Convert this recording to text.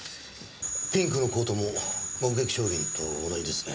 ピンクのコートも目撃証言と同じですね。